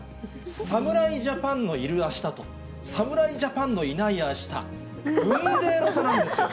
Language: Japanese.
侍ジャパンのいるあしたと侍ジャパンのいないあした、雲泥の差なんですよ。